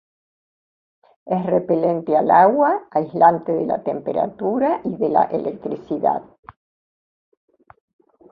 Es repelente al agua, aislante de la temperatura y de la electricidad.